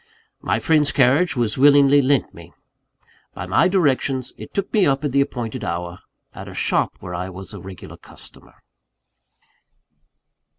My friend's carriage was willingly lent me. By my directions, it took me up at the appointed hour, at a shop where I was a regular customer.